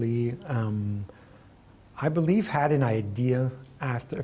saya pikir memiliki ide setelah